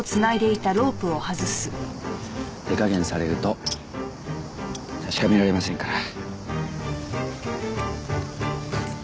手加減されると確かめられませんから。